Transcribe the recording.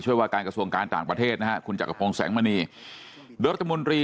ว่าการกระทรวงการต่างประเทศนะฮะคุณจักรพงศ์แสงมณีโดยรัฐมนตรี